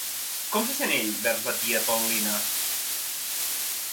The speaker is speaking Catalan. Com se sent ell vers la tia Paulina?